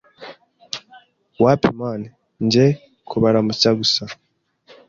wapi man. Nje kubaramutsa gusa